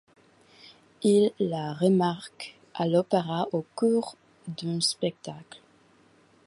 Il la remarque à l'Opéra au cours d'un spectacle.